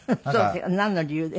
なんの理由で？